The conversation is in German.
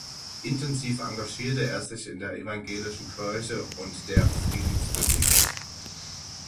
Intensiv engagierte er sich in der evangelischen Kirche und deren Friedensbewegung.